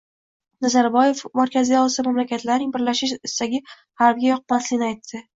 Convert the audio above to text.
Nazarboyev Markaziy Osiyo mamlakatlarining birlashish istagi G‘arbga yoqmasligini aytdi